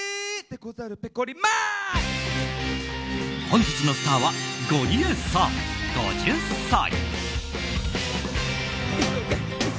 本日のスターはゴリエさん、５０歳。